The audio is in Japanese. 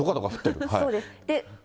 そうです。